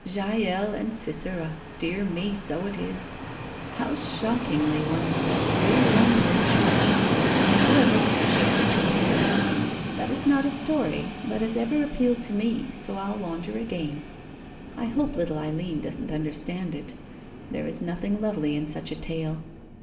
" Jael and Sisera — dear me, so it is I How shock ingly one's thoughts do wander in church. However," she added to herself, " that is not a story that has ever IN WDDLEHAM CHURCH 189 appealed to me, so I'll wander again. I hope little Eileen doesn't understand it — ^there is nothing lovely, in such a tale.